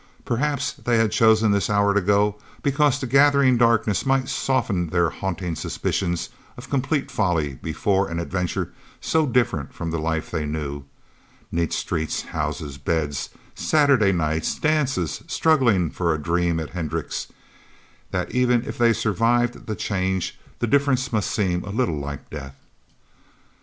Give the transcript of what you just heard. Perhaps they had chosen this hour to go because the gathering darkness might soften their haunting suspicions of complete folly before an adventure so different from the life they knew neat streets, houses, beds, Saturday nights, dances, struggling for a dream at Hendricks' that even if they survived the change, the difference must seem a little like death.